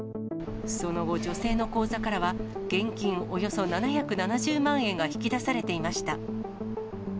その後、女性の口座からは現金およそ７７０万円が引き出されていました。